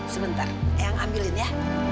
sebentar ayang ambilin ya